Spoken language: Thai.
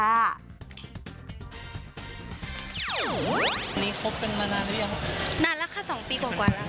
นี่คบกันมานานหรือยังนานละค่ะสองปีกว่ากว่าละ